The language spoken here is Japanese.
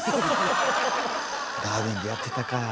「ダーウィン」でやってたか。